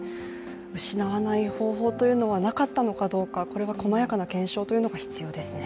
失わない方法というのはなかったのかどうかこれはこまやかな検証というのが必要ですね。